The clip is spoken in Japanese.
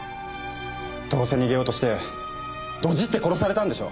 どうせ逃げようとしてドジって殺されたんでしょ？